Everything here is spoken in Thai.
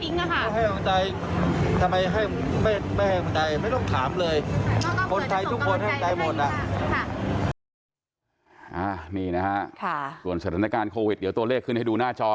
นายกลิซ่าติดโควิดนายกจะให้กำลังใจอะไรลิซ่าไหมคะ